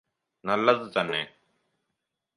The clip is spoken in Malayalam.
നല്ലത് തന്നെ